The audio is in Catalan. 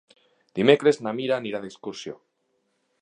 Dimecres na Mira anirà d'excursió.